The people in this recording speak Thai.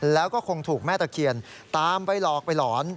แล้วก็คงถูกแม่ตะเคียนตามไปหลอกไปหลอน